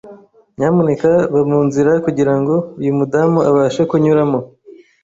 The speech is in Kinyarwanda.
Nyamuneka va munzira kugirango uyu mudamu abashe kunyuramo.